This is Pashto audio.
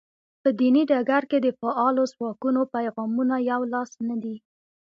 په دیني ډګر کې د فعالو ځواکونو پیغامونه یو لاس نه دي.